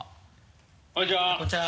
こんにちは。